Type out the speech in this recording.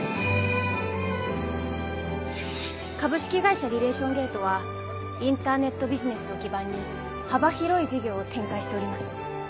株式会社リレーション・ゲートはインターネットビジネスを基盤に幅広い事業を展開しております。